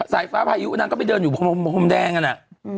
สายฟ้าพายุนางก็ไปเดินอยู่พรมแดงกันอ่ะ